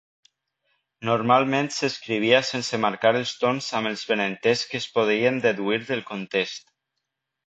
Normalment s'escrivia sense marcar els tons amb el benentès que es podien deduir del context.